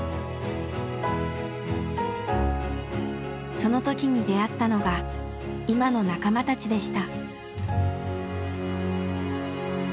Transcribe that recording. その時に出会ったのが今の仲間たちでした。